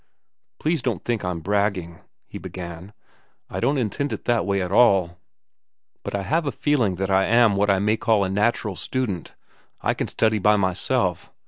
"Please don't think I'm bragging," he began. "I don't intend it that way at all. But I have a feeling that I am what I may call a natural student. I can study by myself.